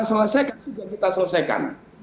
selesaikan juga kita selesaikan